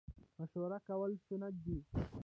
مشوره کول سنت دي